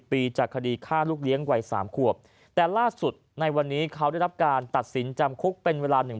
ปีจากคดีฆ่าลูกเลี้ยงวัยสามขวบแต่ล่าสุดในวันนี้เขาได้รับการตัดสินจำคุกเป็นเวลาหนึ่ง